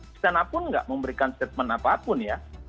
kenapun enggak memberikan statement apapun ya